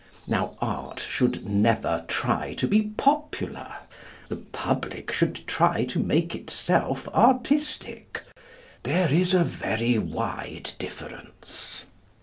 Now Art should never try to be popular. The public should try to make itself artistic. There is a very wide difference.